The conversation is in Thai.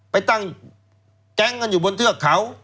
ไปตั้งแก๊งกันอยู่บนเทือกเขา